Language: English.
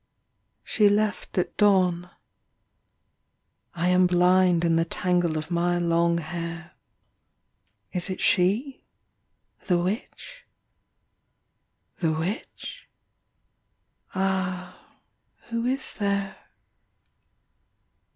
She left at dawn. ... I am blind In the tangle of my long hair. ... Is it she? the witch? the witch? Ah, who is there?